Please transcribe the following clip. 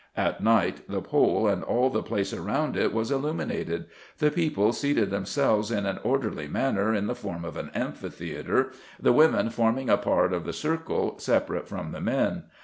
At night, the pole and all the place around it was illuminated. The people seated themselves in an orderly manner, in the form of an amphitheatre, the women forming a part of the circle, separate from the men.